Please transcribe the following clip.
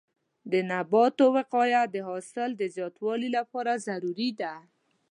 د نباتو وقایه د حاصل د زیاتوالي لپاره ضروري ده.